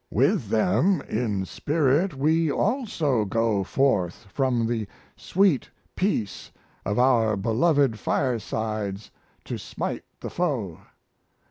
With them in spirit we also go forth from the sweet peace of our beloved firesides to smite the foe.